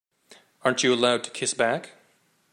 Aren't you allowed to kiss back?